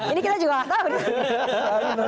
ini kita juga gak tahu